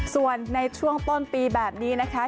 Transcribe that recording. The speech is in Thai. ส่วนในช่วงต้นปีแบบนี้นะคะ